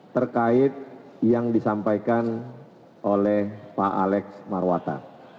terkait yang disampaikan oleh pak alex marwata